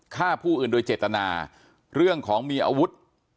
ฆ่าผู้อื่นโดยเจตนาเรื่องของมีอาวุธ